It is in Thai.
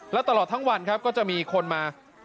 และตลอดทั้งวันครับก็จะมีคนมา